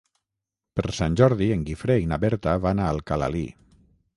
Per Sant Jordi en Guifré i na Berta van a Alcalalí.